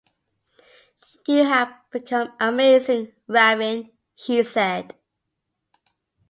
"You have become amazing, Raven," he said.